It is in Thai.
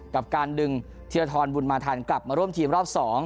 กับการดึงธีรทรบุญมาทันกลับมาร่วมทีมรอบ๒